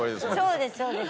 そうですそうです。